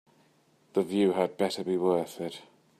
The view had better be worth it.